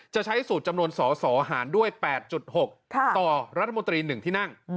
จะใช้สูตรจำนวนสสหารด้วย๘๖ต่อรัฐมนตรี๑ที่นั่ง